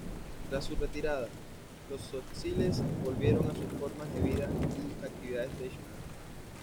Tras su retirada, los tzotziles volvieron a sus formas de vida y actividades tradicionales.